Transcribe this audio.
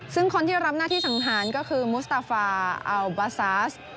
ซึ่งคนที่รับหน้าที่สังหารก็คือมุสตาฟาอัลบาซาส